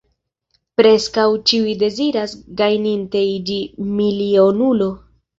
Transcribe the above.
Preskaŭ ĉiu deziras gajninte iĝi milionulo.